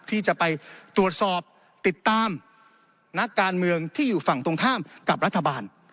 ที่จะไปตรวจสอบติดตามนักการเมืองที่อยู่ฝั่งตรงข้ามกับรัฐบาล